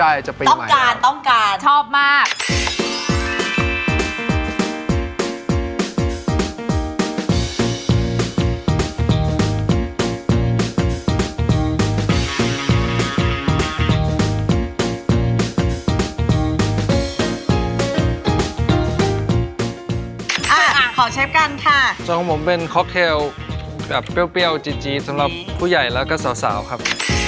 อ่าขอเชฟกันค่ะส่วนของผมเป็นแบบเปรี้ยวเปรี้ยวจี๊ดจี๊ดสำหรับผู้ใหญ่แล้วก็สาวสาวครับ